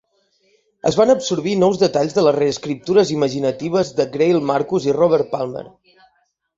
Es van absorbir nous detalls de les reescriptures imaginatives de Greil Marcus i Robert Palmer.